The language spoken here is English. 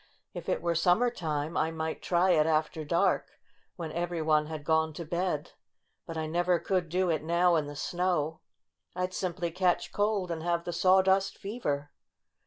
"If it were summer time I might try it after dark, when every one had gone to bed. But I never could do it now in the snow. I'd simply catch cold and have the sawdust fever.